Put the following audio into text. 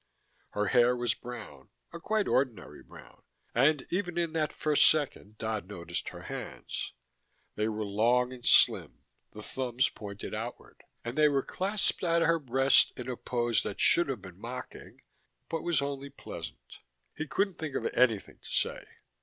Her hair was brown, a quite ordinary brown, and even in that first second Dodd noticed her hands. They were long and slim, the thumbs pointed outward, and they were clasped at her breast in a pose that should have been mocking, but was only pleasant. He couldn't think of anything to say.